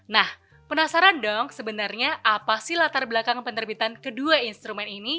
nah penasaran dong sebenarnya apa sih latar belakang penerbitan kedua instrumen ini